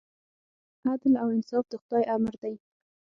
عدل او انصاف د خدای امر دی.